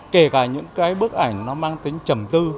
kể cả những cái bức ảnh nó mang tính chầm tư